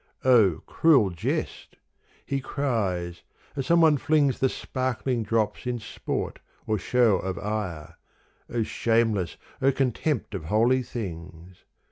O cruel jest — he cries, as some one flings The sparkling drops in sport or shew of ire — O shameless, O contempt of holy things.